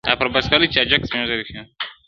ستا په تصویر پسې اوس ټولي بُتکدې لټوم,